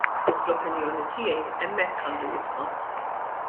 U fl-opinjoni tiegħi hemmhekk għandu jibqa'.